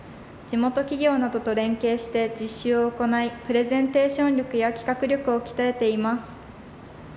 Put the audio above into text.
地元企業などと連携して実習をおこないプレゼンテーション力や企画力を鍛えています。